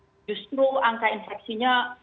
tetapi justru angka infeksinya